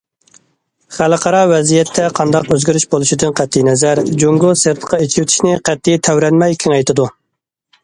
خەلقئارا ۋەزىيەتتە قانداق ئۆزگىرىش بولۇشىدىن قەتئىينەزەر، جۇڭگو سىرتقا ئېچىۋېتىشنى قەتئىي تەۋرەنمەي كېڭەيتىدۇ.